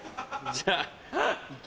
じゃあ。